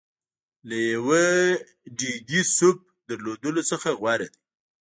له یوه ډېګي سوپ درلودلو څخه غوره دی.